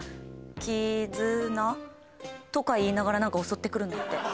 「きずな？」とか言いながら何か襲って来るんだって。